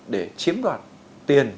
để chiếm đoạt tiền